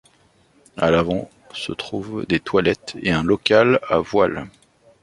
À l'avant se trouvent des toilettes et un local à voiles.